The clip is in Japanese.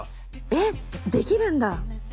えっできるんだ。